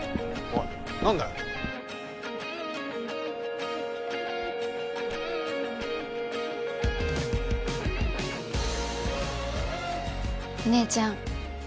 お姉ちゃん。